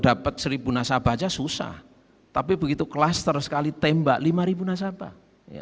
dapat seribu nasabah aja susah tapi begitu klaster sekali tembak lima ribu nasabah